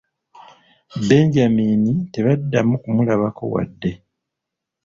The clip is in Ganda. Benjamin tebaddamu kumulabako yadde.